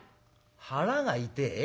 「腹が痛え？